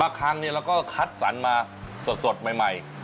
ครั้งนี้เราก็คัดสรรมาสดใหม่